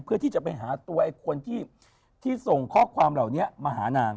เพื่อที่จะไปหาตัวไอ้คนที่ส่งข้อความเหล่านี้มาหานาง